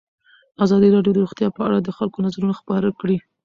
ازادي راډیو د روغتیا په اړه د خلکو نظرونه خپاره کړي.